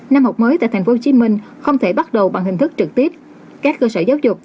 năm học mới tại tp hcm không thể bắt đầu bằng hình thức trực tiếp các cơ sở giáo dục